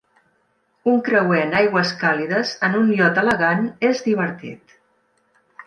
Un creuer en aigües càlides en un iot elegant és divertit.